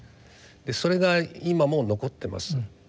それが今も残ってます。